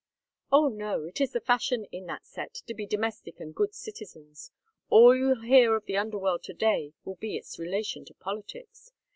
"Oh no, it is the fashion in that set to be domestic and good citizens. All you'll hear of the underworld to day will be its relation to politics.